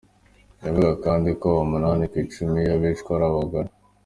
Ivuga kandi ko umunani kw'icumi y'abicwa ari abagore.